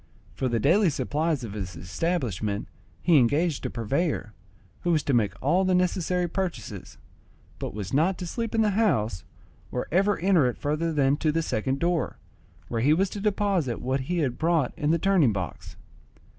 For the daily supplies of his establishment he engaged a purveyor, who was to make all the necessary purchases, but was not to sleep in the house or ever enter it further than to the second door, where he was to deposit what he had brought in the turning box.